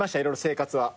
生活は。